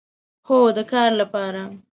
هو، د کار لپاره